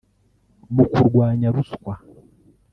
mu kurwanya ruswa